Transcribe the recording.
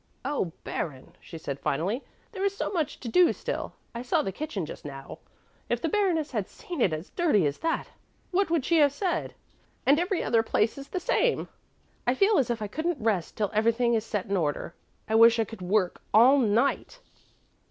"Oh, Baron," she said finally, "there is so much to do still. I saw the kitchen just now. If the Baroness had seen it as dirty as that, what would she have said? And every other place is the same. I feel as if I couldn't rest till everything is set in order. I wish I could work all night!"